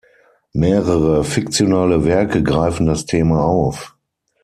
Mehrere fiktionale Werke greifen das Thema auf.